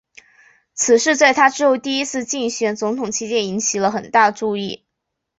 此事在他之后第一次竞选总统期间引起了很大的注意。